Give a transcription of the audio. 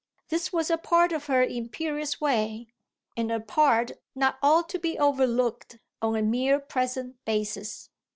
This was a part of her imperious way, and a part not all to be overlooked on a mere present basis.